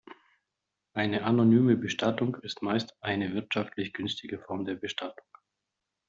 Eine anonyme Bestattung ist meist eine wirtschaftlich günstige Form der Bestattung.